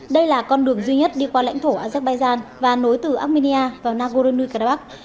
đây là con đường duy nhất đi qua lãnh thổ azerbaijan và nối từ armenia vào nagorno karabakh